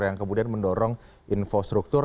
yang kemudian mendorong infrastruktur